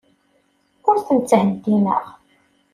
Ur ten-ttheddineɣ.